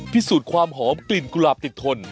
พิสูจน์ความหอมกลิ่นกุหลาบติดทน